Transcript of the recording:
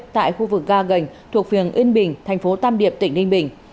tại khu vực ga gành thuộc phường yên bình thành phố tam điệp tỉnh ninh bình